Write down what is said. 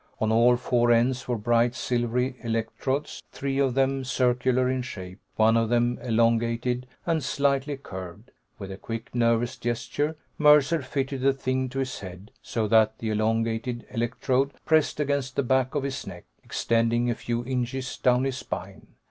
On all four ends were bright silvery electrodes, three of them circular in shape, one of them elongated and slightly curved. With a quick, nervous gesture, Mercer fitted the thing to his head, so that the elongated electrode pressed against the back of his neck, extending a few inches down his spine.